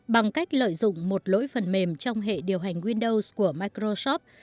bằng cách lợi dụng một lỗi phần mềm trong hệ điều hành windows của microsoft